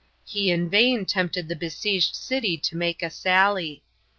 He in vain tempted the besieged to make a sally.